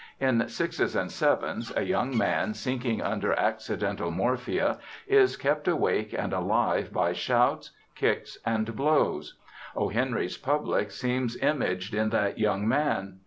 In "Sixes and Sevens," a young man sinking under accidental morphia, is kept awake and alive by shouts, kicks, and blows. O. Henry's public seems imaged in that young man.